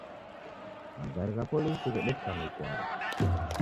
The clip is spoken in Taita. Magare gha polisi ghedetikana ikwau